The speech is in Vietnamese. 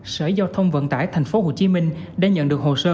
sở giao thông vận tải tp hcm đã nhận được hồ sơ